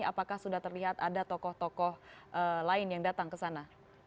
apakah sudah terlihat ada tokoh tokoh lain yang datang ke sana